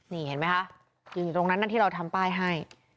นี่เห็นไหมคะอยู่ตรงนั้นนะที่เราทำป้ายให้